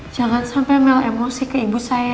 jangan sampai mel emosi ke ibu saya